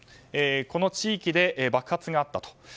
この地域で爆発があったと。